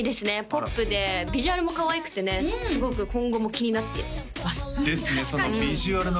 ポップでビジュアルもかわいくてねすごく今後も気になってますですね